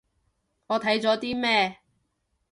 我睇咗啲咩